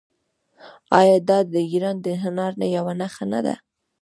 آیا دا د ایران د هنر یوه نښه نه ده؟